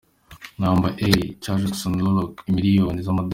Number A ca Jackson Pollock - imiliyoni $.